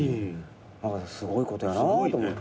すごいことやなと思って。